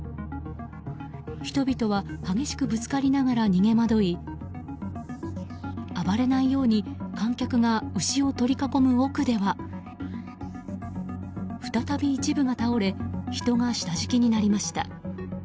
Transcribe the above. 人々は激しくぶつかりながら逃げまどい暴れないように観客が牛を取り囲む奥では再び一部が倒れ人が下敷きになりました。